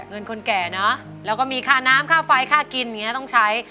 คนแก่เนอะแล้วก็มีค่าน้ำค่าไฟค่ากินอย่างนี้ต้องใช้